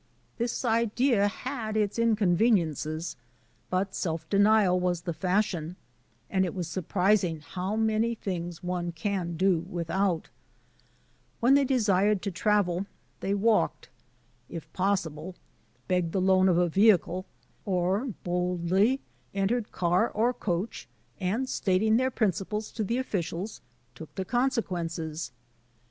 This idea had its inconven iences; but self denial was the fashion, and it was surprising how many things one can do without. Digitized by VjOOQ IC TRANSCENDENTAL WILD OATS 165 When they desired to travel, they walked, if possible, begged the loan of a vehicle, or boldly entered car or coach, and, stating their principles to the officials, took the consequences.